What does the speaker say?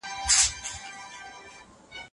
حیات الله په غلي غږ سره یوه خبره وکړه.